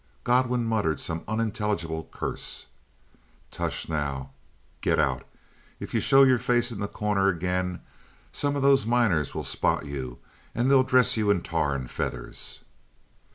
Godwin muttered some unintelligible curse. "Tush. Now, get out! If you show your face in The Corner again, some of those miners will spot you, and they'll dress you in tar and feathers."